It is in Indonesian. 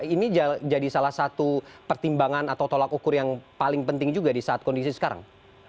ini jadi salah satu pertimbangan atau tolak ukur yang paling penting juga di saat kondisi sekarang